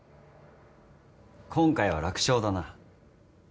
今回は楽勝だな。